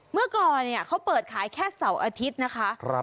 เมื่อก่อนเขาเปิดขายแค่เสาร์อาทิตย์นะคะ